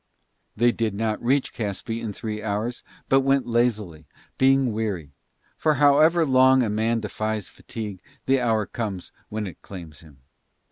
They did not reach Caspe in three hours, but went lazily, being weary; for however long a man defies fatigue the hour comes when it claims him.